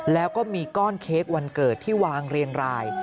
แล้วก็มีก้อนเค้กวันเกิดที่วางเรียงราย